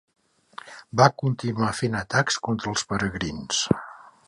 Va continuar fent atacs contra els peregrins.